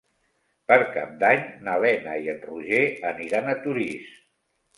Per Cap d'Any na Lena i en Roger aniran a Torís.